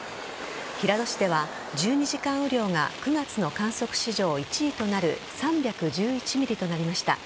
平戸市では１２時間雨量が９月の観測史上１位となる３１１ｍｍとなりました。